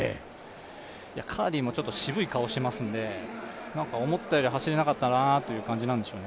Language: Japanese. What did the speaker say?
カーリーも渋い顔していますので、思ったより走れなかったなという感じなんでしょう。